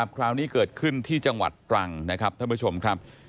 คราวนี้เกิดขึ้นที่จังหวัดตรังนะครับท่านผู้ชมครับ